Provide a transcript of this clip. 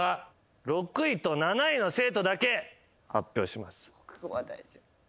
６位と７位の生徒だけ発表します。